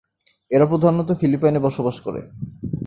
এরা প্রধানত ফিলিপাইনে বসবাস করে।